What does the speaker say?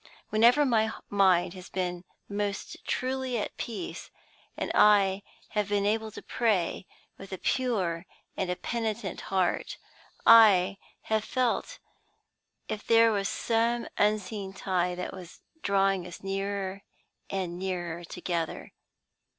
Whenever my mind has been most truly at peace, and I have been able to pray with a pure and a penitent heart, I have felt as if there was some unseen tie that was drawing us nearer and nearer together.